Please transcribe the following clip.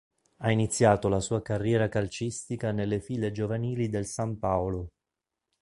Ha iniziato la sua carriera calcistica nelle file giovanili del San Paolo.